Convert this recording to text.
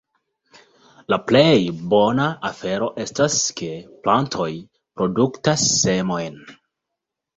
La plej bona afero estas, ke plantoj produktas semojn.